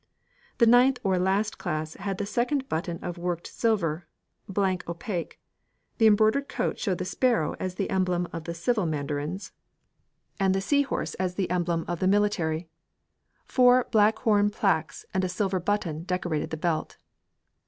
The ninth or last class had the second button of worked silver blank opaque. The embroidered coat showed the sparrow as the emblem of the civil mandarins, and the sea horse as the emblem of the military. Four black horn plaques and a silver button decorated the belt.